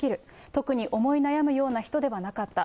特に思い悩むような人ではなかった。